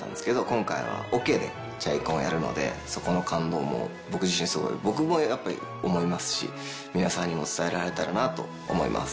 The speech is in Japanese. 今回はオケで『チャイコン』をやるのでそこの感動も僕自身すごい僕もやっぱり思いますし皆さんにも伝えられたらなと思います。